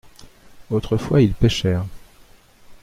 Autrefois ils pêchèrent.